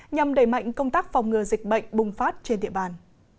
nhằm đẩy mạnh công tác phòng ngừa dịch bệnh bùng phát trên địa bàn